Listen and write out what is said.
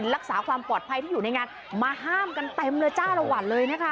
รักษาความปลอดภัยที่อยู่ในงานมาห้ามกันเต็มเลยจ้าละวันเลยนะคะ